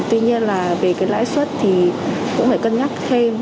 tuy nhiên là về cái lãi suất thì cũng phải cân nhắc thêm